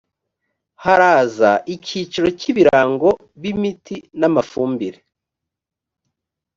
haraza icyiciro cy’ ibirango b ‘imiti n’amafumbire.